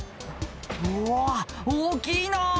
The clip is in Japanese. うわっ大きいな。